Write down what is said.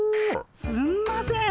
すんません。